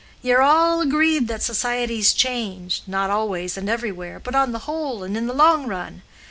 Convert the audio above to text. Ye're all agreed that societies change—not always and everywhere—but on the whole and in the long run.